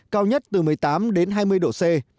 cao nhất từ một mươi sáu đến một mươi năm độ c